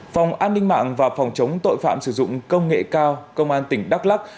phòng an ninh mạng và phòng chống tội phạm sử dụng công nghệ cao công an tỉnh đắk lắc